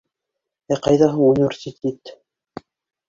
— Ә ҡайҙа һуң университет!